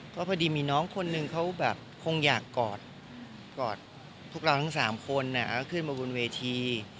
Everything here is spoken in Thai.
ก็พอดีมีน้องคนนึงเขาแบบคงอยากกอดพวกเราทั้ง๓คนขึ้นมาบนเวที